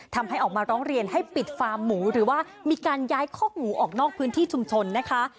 ทำให้ออกมาร้องเรียนให้ปิดฟาร์มหมูหรือว่ามีการย้ายคอกหมูออกนอกพื้นที่ชุมชนนะคะ